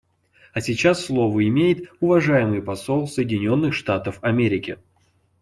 А сейчас слово имеет уважаемый посол Соединенных Штатов Америки.